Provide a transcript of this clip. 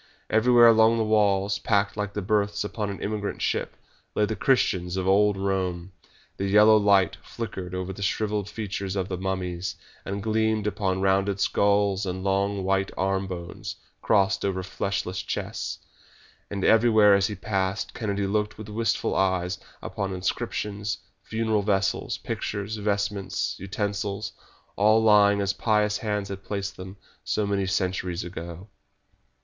Everywhere along the walls, packed like the berths upon an emigrant ship, lay the Christians of old Rome. The yellow light flickered over the shrivelled features of the mummies, and gleamed upon rounded skulls and long, white armbones crossed over fleshless chests. And everywhere as he passed Kennedy looked with wistful eyes upon inscriptions, funeral vessels, pictures, vestments, utensils, all lying as pious hands had placed them so many centuries ago.